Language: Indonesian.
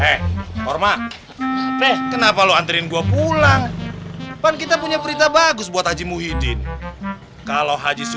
eh hormat kenapa lu anterin gua pulang kan kita punya berita bagus buat haji muhideen kalau haji